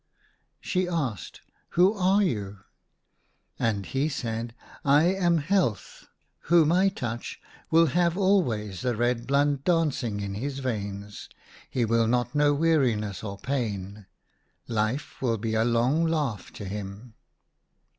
She asked, " Who are you ?" And he said, " I am Health. Whom I touch will have always the red blood dancing in his veins ; he will not know weariness nor pain ; life will be a long laugh to him."